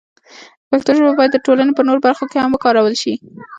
پښتو ژبه باید د ټولنې په نورو برخو کې هم وکارول شي.